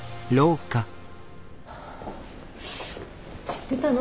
知ってたの？